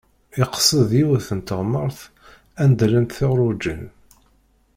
Yeqsed yiwet n teɣmert anda llant tedruǧin.